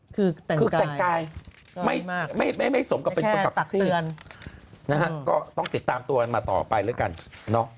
คือแต่งกายไม่สมกับสิ่งนะครับต้องติดตามตัวมาต่อไปแล้วกันเนอะ